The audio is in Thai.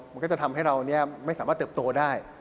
มันก็จะทำให้เราไม่สามารถเติบโตได้